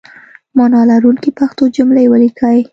معنی لرونکي پښتو جملې ولیکئ!